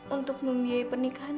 untuk membiayai pernikahan